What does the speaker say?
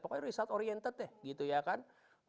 pokoknya result oriented deh gitu ya kan